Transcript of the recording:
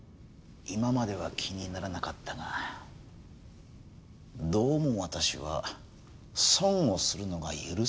今までは気にならなかったがどうも私は損をするのが許せない性格でね。